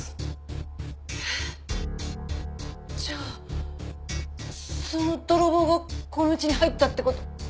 じゃあその泥棒がこの家に入ったって事？